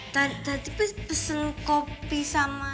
tadi pesan kopi sama